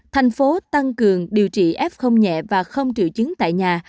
thành phố tăng cường điều trị f nhẹ và không triệu chứng tại nhà